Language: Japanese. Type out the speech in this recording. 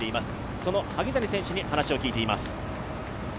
その萩谷選手に話を聞いています。